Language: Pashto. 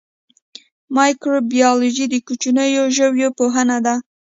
مایکروبیولوژي د کوچنیو ژویو پوهنه ده